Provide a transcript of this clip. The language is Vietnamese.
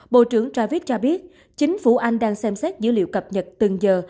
bộ trưởng ravick cho biết chính phủ anh đang xem xét dữ liệu cập nhật từng giờ